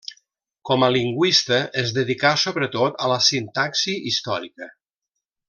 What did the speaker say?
Com a lingüista es dedicà sobretot a la sintaxi històrica.